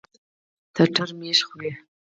تتر ميږي خوري.